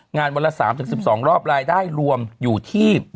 งานวันละ๓๑๒รอบรายได้รวมอยู่ที่๘๐๐๐๐๒๕๐๐๐๐